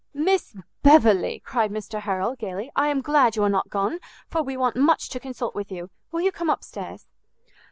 "Miss Beverley," cried Mr Harrel, gaily, "I am glad you are not gone, for we want much to consult with you. Will you come up stairs?"